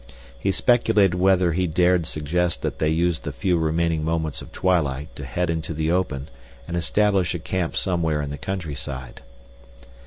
He speculated whether he dared suggest that they use the few remaining moments of twilight to head into the open and establish a camp somewhere in the countryside.